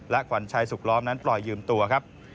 ขวัญชัยสุขล้อมนั้นปล่อยยืมตัวครับ